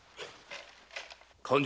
勘定